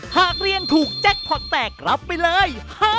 หากเรียนถูกแจ็คพอร์ตแตกรับไปเลย